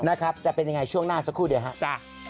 นะครับจะเป็นอย่างไรช่วงหน้าสักครู่เดี๋ยว